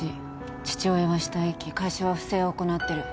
父親は死体遺棄会社は不正を行ってる